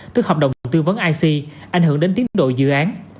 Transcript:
tức hợp đồng tư vấn ic ảnh hưởng đến tiến độ dự án